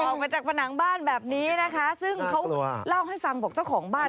ออกมาจากผนังบ้านแบบนี้นะคะซึ่งเขาเล่าให้ฟังบอกเจ้าของบ้าน